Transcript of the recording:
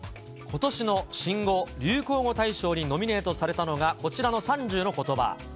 ことしの新語・流行語大賞にノミネートされたのが、こちらの３０のことば。